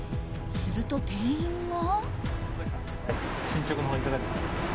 すると店員が。